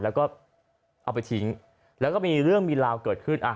แล้วก็เอาไปทิ้งแล้วก็มีเรื่องมีราวเกิดขึ้น